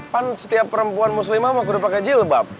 kan setiap perempuan muslimah mah udah pakai jilbab